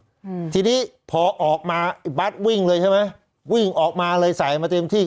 อืมทีนี้พอออกมาไอ้บัตรวิ่งเลยใช่ไหมวิ่งออกมาเลยใส่มาเต็มที่